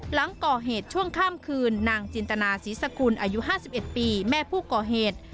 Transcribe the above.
หลังก่อเหตุช่วงข้ามคืนนางจินตนาศรีสกุลอายุ๕๑ปีแม่ผู้ก่อเหตุ